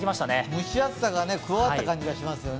蒸し暑さが加わった感じがしますね。